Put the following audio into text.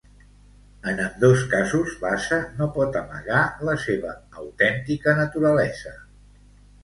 En ambdós casos l'ase no pot amagar la seva autèntica naturalesa.